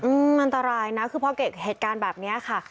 อืมมันตรายนะคือเพราะเหตุการณ์แบบเนี้ยค่ะ